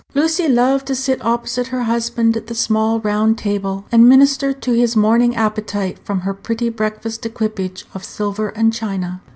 Lucy loved to sit opposite her husband at the small round table, and minister to his morning appetite from her pretty breakfast equipage of silver and china.